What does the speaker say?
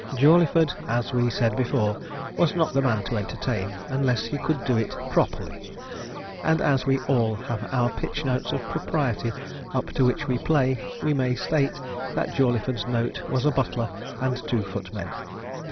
Jawleyford, as we said before, was not the man to entertain unless he could do it 'properly'; and, as we all have our pitch notes of propriety up to which we play, we may state that Jawleyford's note was a butler and two footmen.